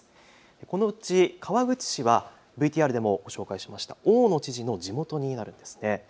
このうち川口市はＶＴＲでも紹介しました大野知事の地元になるんですね。